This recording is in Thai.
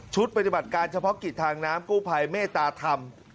ปฏิบัติการเฉพาะกิจทางน้ำกู้ภัยเมตตาธรรม